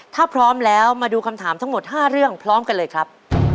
ถ้าพร้อมแล้วมาดูคำถามทั้งหมด๕เรื่องพร้อมกันเลยครับ